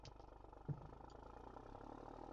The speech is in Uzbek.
Mana shu hislar, onangizda ham bor